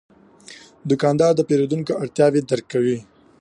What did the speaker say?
دوکاندار د پیرودونکو اړتیاوې درک کوي.